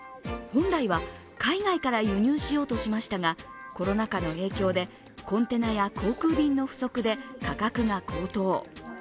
本来は海外から輸入しようとしましたが、コロナ禍の影響でコンテナや航空便の不足で価格が高騰。